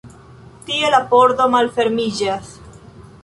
Tie la pordo malfermiĝas.